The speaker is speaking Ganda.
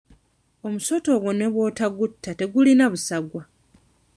Omusota ogwo ne bw'otagutta tegulina busagwa.